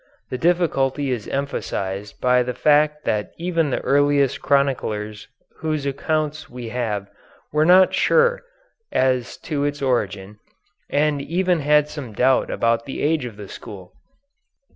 The difficulty is emphasized by the fact that even the earliest chroniclers whose accounts we have were not sure as to its origin, and even had some doubt about the age of the school.